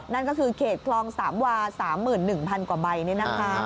นั่นก็คือเขตคลองสามวา๓๑๐๐๐กว่าใบนี่นะคะ